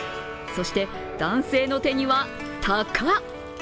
そして、男性の手には鷹。